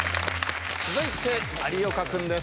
続いて有岡君です。